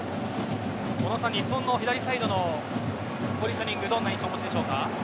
小野さん、日本の左サイドのポジショニングどう印象をお持ちでしょうか。